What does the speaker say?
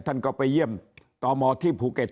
ท่านก็ไปเยี่ยมตมที่ภูเก็ต